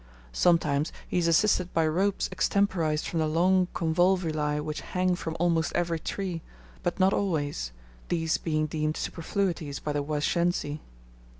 Sometimes he is assisted by ropes extemporized from the long convolvuli which hang from almost every tree, but not always, these being deemed superfluities by the Washensi.